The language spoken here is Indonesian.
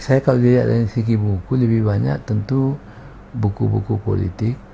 saya kalau dilihat dari segi buku lebih banyak tentu buku buku politik